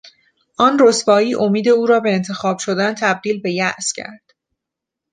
آن رسوایی امید او را به انتخاب شدن تبدیل به یاس کرد.